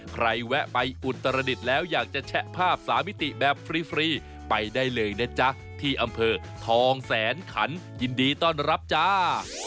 แวะไปอุตรดิษฐ์แล้วอยากจะแชะภาพ๓มิติแบบฟรีไปได้เลยนะจ๊ะที่อำเภอทองแสนขันยินดีต้อนรับจ้า